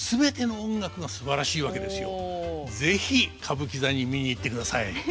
でも是非歌舞伎座に見に行ってください。